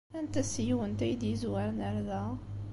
Anta seg-went ay d-yezwaren ɣer da?